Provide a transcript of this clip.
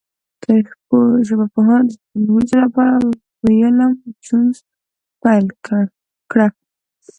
تاریخي ژبپوهنه د لومړی ځل له پاره ویلم جونز پیل کړه.